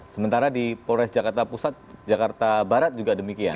sementara di polres jakarta pusat jakarta barat juga demikian